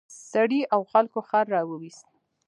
سړي او خلکو خر راوویست.